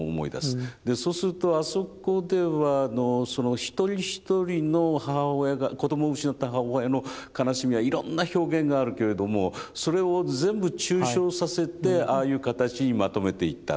でそうするとあそこではその一人一人の母親が子どもを失った母親の悲しみはいろんな表現があるけれどもそれを全部抽象させてああいう形にまとめていった。